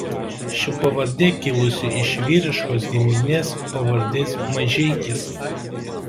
Ši pavardė kilusi iš vyriškos giminės pavardės Mažeikis.